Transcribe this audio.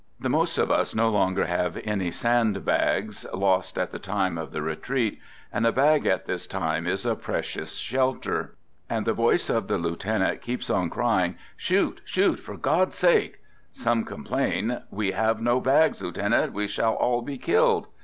The most of us no longer have any sand bags, lost at the time of the retreat, and a bag at this time is "THE GOOD SOLDIER" 129 a precious shelter. And the voice of the lieutenant keeps on crying: "Shoot! Shoot! For God's sake J Some complain: "We have no bags, lieutenant ; we shall all be killed